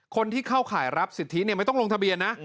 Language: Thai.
คนที่เข้าข่ายรับสิทธิไม่ต้องลงทะเบียนนะ